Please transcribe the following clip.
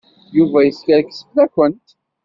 Yuba yeskerkes fell-awent.